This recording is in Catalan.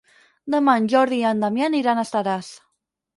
Demà en Jordi i en Damià aniran a Estaràs.